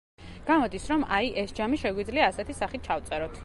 გამოდის, რომ, აი, ეს ჯამი შეგვიძლია ასეთი სახით ჩავწეროთ.